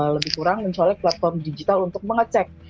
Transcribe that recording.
lebih kurang mencolek platform digital untuk mengecek